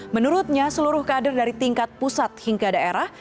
menurutnya seluruh kader dari tingkat pusat hingga daerah